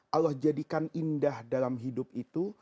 allah jadikan indah dalam hidup itu